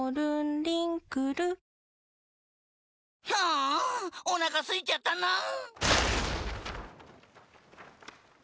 あお腹すいちゃったなー。